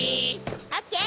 オッケー！